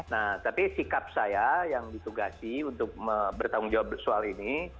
nah tapi sikap saya yang ditugasi untuk bertanggung jawab soal ini